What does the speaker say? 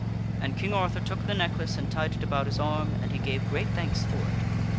And King Arthur took the necklace and tied it about his arm, and he gave great thanks for it.